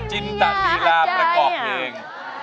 จีนตรีราประกอบเพลง